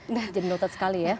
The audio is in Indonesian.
nah jadi dokter sekali ya